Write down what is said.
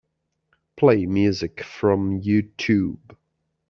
Play music from Youtube.